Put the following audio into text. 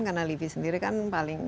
karena livi sendiri kan paling